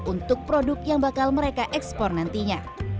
untuk produk yang bakal mereka ekspor nantinya